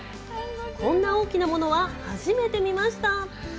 こんな大きなものは初めて見ました